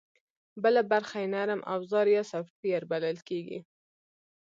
بله برخه یې نرم اوزار یا سافټویر بلل کېږي